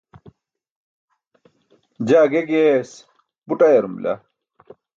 jaa ge giyayas buṭ ayarum bila